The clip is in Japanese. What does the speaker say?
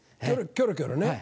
キョロキョロね。